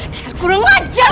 dan kurang ngajar kamu